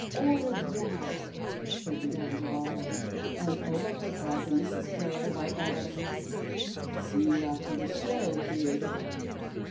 "Au revoir," said Madame d'Avala, and electrified the Misses Blair by adding, "See you after the show, kid."